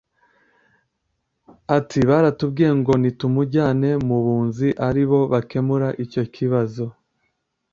Ati “Baratubwiye ngo nitumujyane mu bunzi ari bo bakemura icyo kibazo